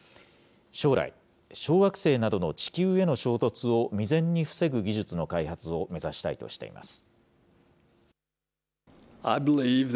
将来、小惑星などの地球への衝突を未然に防ぐ技術の開発を目指したいとしています。